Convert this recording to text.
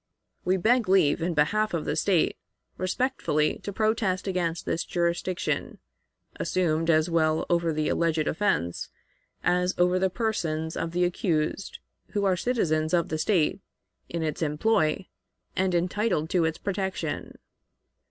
We beg leave, in behalf of the State, respectfully to protest against this jurisdiction, assumed as well over the alleged offense as over the persons of the accused, who are citizens of the State, in its employ, and entitled to its protection.